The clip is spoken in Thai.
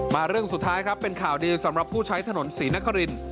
เรื่องสุดท้ายครับเป็นข่าวดีสำหรับผู้ใช้ถนนศรีนคริน